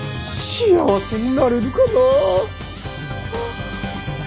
幸せになれるかな。